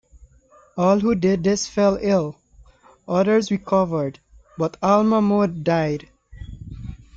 All who did this fell ill. Others recovered, but Al-Ma'mun died.